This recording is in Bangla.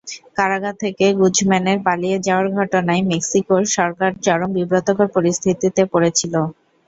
কারাগার থেকে গুজম্যানের পালিয়ে যাওয়ার ঘটনায় মেক্সিকোর সরকার চরম বিব্রতকর পরিস্থিতিতে পড়েছিল।